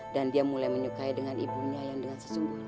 dan dia mulai menyukai dengan ibunya yang dengan sesungguhnya